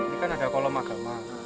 ini kan ada kolom agama